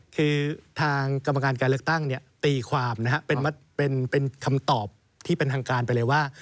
คือทางกรรมการการเลือกตั้งตีความนะฮะเป็นคำตอบที่เป็นทางการไปเลยว่า